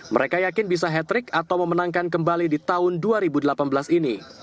mereka yakin bisa hat trick atau memenangkan kembali di tahun dua ribu delapan belas ini